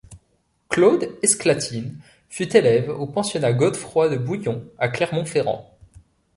Claude Esclatine fut élève au pensionnat Godefroy de Bouillon à Clermont-Ferrand.